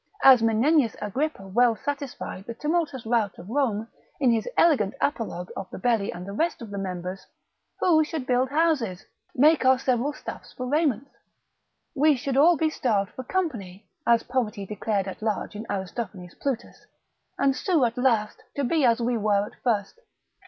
As Menenius Agrippa well satisfied the tumultuous rout of Rome, in his elegant apologue of the belly and the rest of the members. Who should build houses, make our several stuffs for raiments? We should all be starved for company, as Poverty declared at large in Aristophanes' Plutus, and sue at last to be as we were at first.